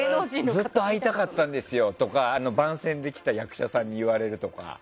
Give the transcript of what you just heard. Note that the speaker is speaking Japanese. ずっと会いたかったんですよとか番宣で来た役者さんに言われれるとか。